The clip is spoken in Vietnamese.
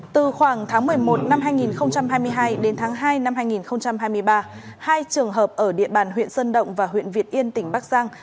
từ khoảng tháng một mươi một năm hai nghìn hai mươi hai đến tháng hai năm hai nghìn hai mươi ba hai trường hợp ở địa bàn huyện sơn động và huyện việt yên tỉnh bắc giang